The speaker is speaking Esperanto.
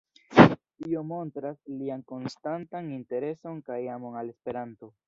Tio montras lian konstantan intereson kaj amon al Esperanto.